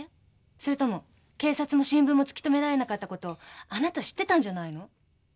それとも警察も新聞も突き止められなかったことをあなた知ってたんじゃないの？